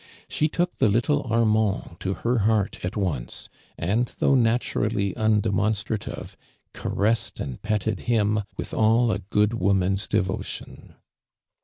She took the little Armand to her heart at ouce. and though naturally undemonstiativ*', ca ressed and petted hhn with all .i g »cd woman's devotion.